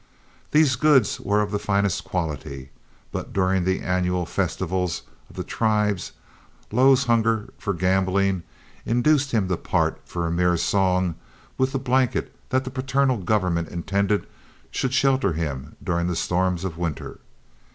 These goods were of the finest quality, but during the annual festivals of the tribe Lo's hunger for gambling induced him to part, for a mere song, with the blanket that the paternal government intended should shelter him during the storms of winter.